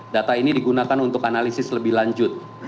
data ini digunakan untuk analisis lebih lanjut